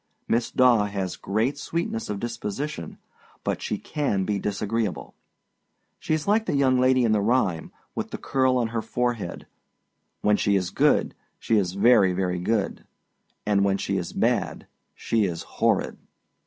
Miss Daw has great sweetness of disposition, but she can be disagreeable. She is like the young lady in the rhyme, with the curl on her forehead, âWhen she is good, She is very, very good, And when she is bad, she is horrid!